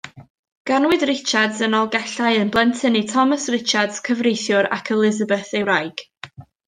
Ganwyd Richards yn Nolgellau yn blentyn i Thomas Richards, cyfreithiwr, ac Elizabeth ei wraig.